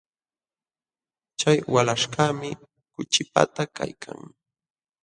Chay walaśhkaqmi kuchipata kaykan.